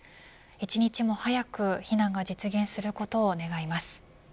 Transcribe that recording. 一日も早く避難が実現することを願います。